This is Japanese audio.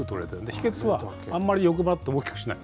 秘けつは、あんまり欲張って大きくしない。